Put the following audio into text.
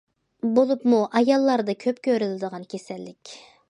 بولۇپمۇ ئاياللاردا كۆپ كۆرۈلىدىغان كېسەللىك.